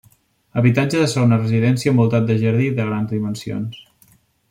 Habitatge de segona residència, envoltat de jardí i de grans dimensions.